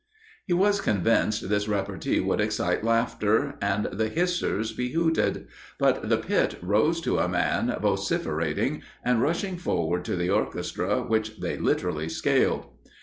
He was convinced this repartee would excite laughter, and the hissers be hooted; but the pit rose to a man, vociferating, and rushing forward to the orchestra, which they literally scaled.